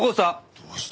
どうした？